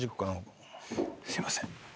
すいません。